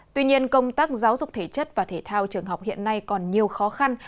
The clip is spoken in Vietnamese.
tuy nhiên công tác giáo dục thể chất và thể thao trường học hiện nay còn nhiều khó khăn